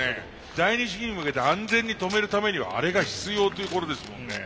第二試技に向けて安全に止めるためにはあれが必要っていうことですもんね。